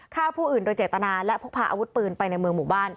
ฆ่าผู้อื่นโดยเจตนาและพกพาอาวุธปืนไปในเมืองหมู่บ้าน